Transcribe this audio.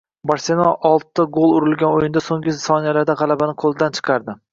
Barselonaoltita gol urilgan o‘yinda so‘nggi soniyalarda g‘alabani qo‘ldan chiqardi